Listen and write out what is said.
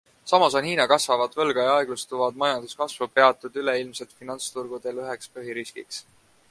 Samas on Hiina kasvavat võlga ja aeglustuvat majanduskasvu peetud üleilmselt finantsturgudel üheks põhiriskiks.